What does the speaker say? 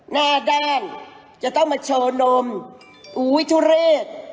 หน้าด้านจะต้องมาโชว์นมอุ้ยทุเรศ